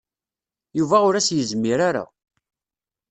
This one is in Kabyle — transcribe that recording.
Yuba ur as-yezmir ara.